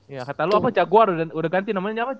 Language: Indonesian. ya kata lo apa jaguar udah ganti namanya apa